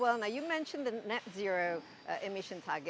anda juga mengatakan target emisi net zero